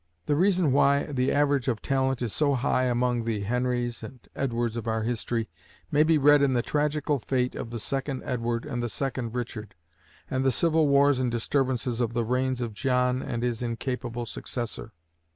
The reason why the average of talent is so high among the Henries and Edwards of our history may be read in the tragical fate of the second Edward and the second Richard, and the civil wars and disturbances of the reigns of John and his incapable successor.